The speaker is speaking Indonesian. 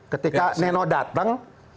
ketika neno dateng